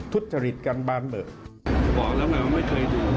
ทุศจริตกันบานเบิก